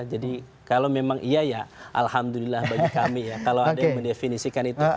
jadi kalau memang iya ya alhamdulillah bagi kami ya kalau ada yang mendefinisikan itu